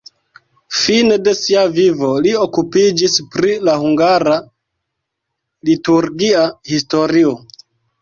Fine de sia vivo li okupiĝis pri la hungara liturgia historio.